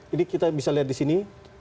ini kita bisa lihat di sini